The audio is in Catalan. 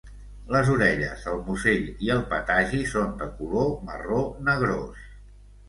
Les orelles, el musell i el patagi són de color marró negrós.